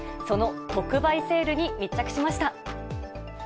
その特売セールに密着しました。